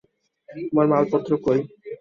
তোর মালপত্র কই?